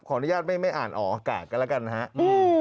ขออนุญาตไม่อ่านออกอากาศกันล่ะครับ